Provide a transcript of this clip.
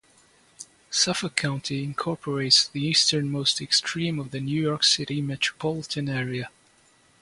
Suffolk County incorporates the easternmost extreme of the New York City metropolitan area.